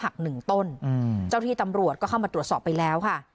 หักหนึ่งต้นเจ้าที่ตำรวจก็เข้ามาตรวจสอบไปแล้วค่ะ